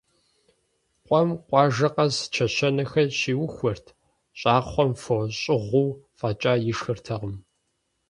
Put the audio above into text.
Къуэм къуажэ къэс чэщанэхэр щиухуэрт, щӀакхъуэм фо щӀыгъуу фӀэкӀа ишхыртэкъым.